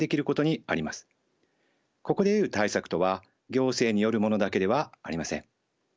ここで言う対策とは行政によるものだけではありません。